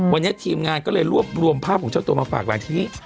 วันนี้ทีมงานก็เลยรวบรวมภาพของเจ้าตัวมาฝากหลานที่